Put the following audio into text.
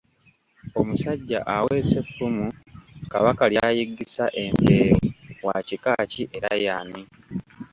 Omusajja aweesa effumu Kabaka lyayiggisa empeewo wa kika ki era y'ani?